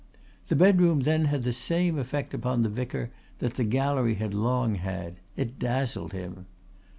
The bedroom then had the same effect upon the vicar that the gallery had long had; it dazzled him.